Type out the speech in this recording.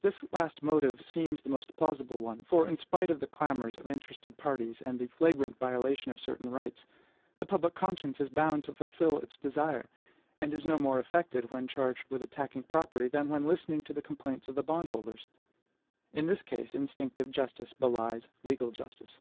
This last motive seems the most plausible one; for in spite of the clamors of interested parties, and the flagrant violation of certain rights, the public conscience is bound to fulfil its desire, and is no more affected when charged with attacking property, than when listening to the complaints of the bondholders. In this case, instinctive justice belies legal justice.